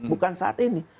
bukan saat ini